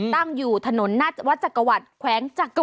ตั้งอยู่ถนนหน้าวัดจักรวรรดิแขวงจักร